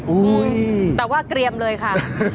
โอ้โหแต่ว่าเกรียมเลยค่ะ